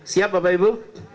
siap bapak ibu